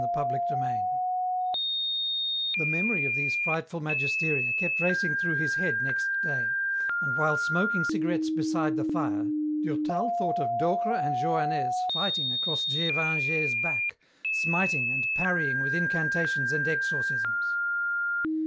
CHAPTER XV The memory of these frightful magisteria kept racing through his head next day, and, while smoking cigarettes beside the fire, Durtal thought of Docre and Johannès fighting across Gévingey's back, smiting and parrying with incantations and exorcisms.